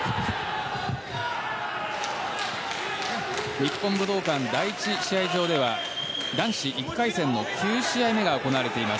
日本武道館第１試合場では男子１回戦の９試合目が行われています。